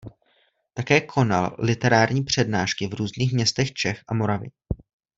Také konal literární přednášky v různých městech Čech a Moravy.